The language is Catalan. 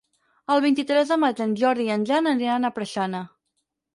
El vint-i-tres de maig en Jordi i en Jan aniran a Preixana.